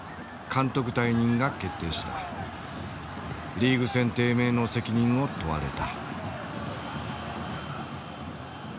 リーグ戦低迷の責任を問われた。